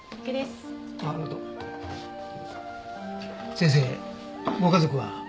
先生ご家族は？